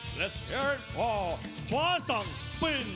สวัสดีครับทุกคน